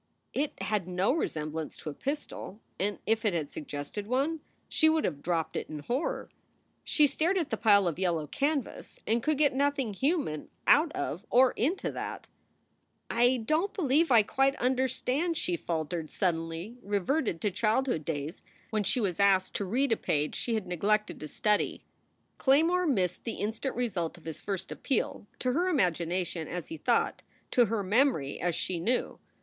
It had no resemblance to a pistol, and if it had suggested one she would have dropped it in horror. She stared at the pile of yellow canvas and could get nothing human out of or into that. "I don t believe I quite understand," she faltered, sud SOULS FOR SALE 229 denly reverted to childhood days when she was asked to read a page she had neglected to study. Claymore missed the instant result of his first appeal to her imagination, as he thought; to her memory, as she knew.